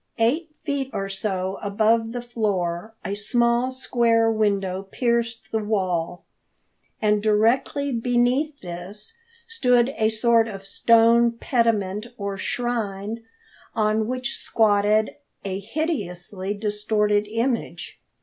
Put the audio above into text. Eight feet or so above the floor a small square window pierced the wall, and directly beneath this stood a sort of stone pediment or shrine, on which squatted a hideously distorted image.